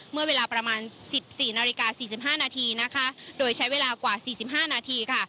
เมื่อเวลาประมาณ๑๔นาฬิกา๔๕นาทีนะคะโดยใช้เวลากว่า๔๕นาทีค่ะ